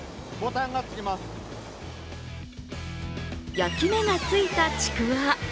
焼き目がついたちくわ。